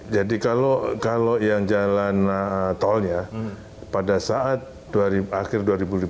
jadi kalau yang jalan tolnya pada saat akhir dua ribu empat belas